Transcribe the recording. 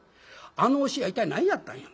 あの教えは一体何やったんや。